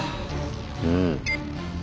うん。